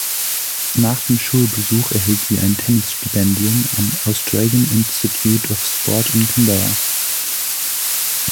Nach dem Schulbesuch erhielt sie ein Tennis-Stipendium am Australian Institute of Sport in Canberra.